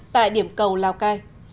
tại điểm cầu lào cai